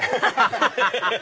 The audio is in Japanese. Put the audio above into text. ハハハハ！